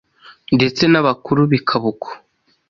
ndetse n’abakuru bikaba uko.